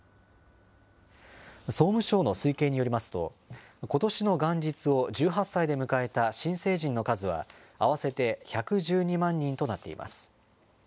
総務省の推計によりますと、ことしの元日を１８歳で迎えた新成人の数は合わせて１１２万人となっています。